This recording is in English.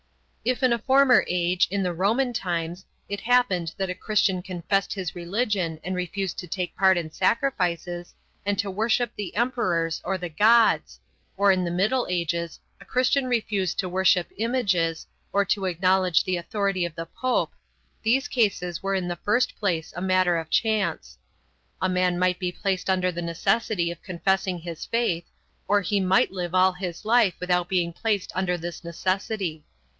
If in a former age, in the Roman times, it happened that a Christian confessed his religion and refused to take part in sacrifices, and to worship the emperors or the gods; or in the Middle Ages a Christian refused to worship images, or to acknowledge the authority of the Pope these cases were in the first place a matter of chance. A man might be placed under the necessity of confessing his faith, or he might live all his life without being placed under this necessity.